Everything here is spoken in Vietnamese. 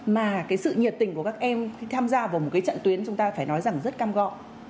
mà cái sự nhiệt tình của các em khi tham gia vào một cái trận tuyến chúng ta phải nói rằng rất cam go